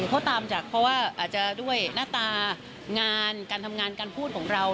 เขาตามจากเพราะว่าอาจจะด้วยหน้าตางานการทำงานการพูดของเรา